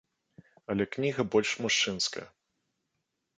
Але кніга больш мужчынская.